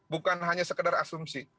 bukan hanya sekedar asumsi